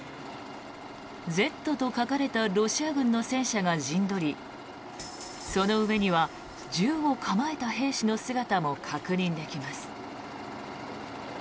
「Ｚ」と書かれたロシア軍の戦車が陣取りその上には銃を構えた兵士の姿も確認できます。